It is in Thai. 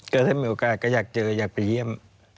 ก็ถ้ามีโอกาสก็อยากเจออยากไปเยี่ยม